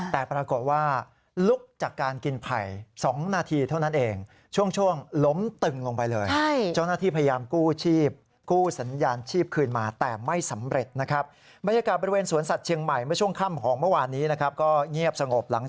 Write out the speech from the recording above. แต่ปรากฏว่าลุกจากการกินไผ่๒นาทีเท่านั้นเอง